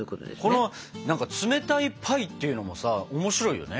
この冷たいパイっていうのもさ面白いよね。